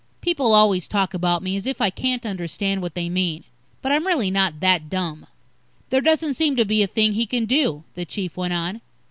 People always talk about me as if I can't understand what they mean. But I'm really not that dumb. "There doesn't seem to be a thing he can do," the Chief went on.